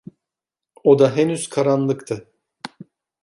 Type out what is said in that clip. Oda henüz karanlıktı.